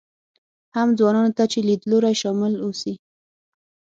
هم ځوانانو ته چې لیدلوري شامل اوسي.